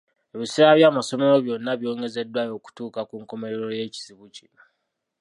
Ebiseera by'amasomero byonna byongezeddwayo okutuuka ku nkomerero y'ekizibu kino.